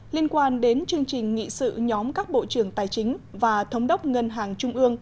liên quan đến chương trình nghị sự nhóm các bộ trưởng tài chính và thống đốc ngân hàng trung ương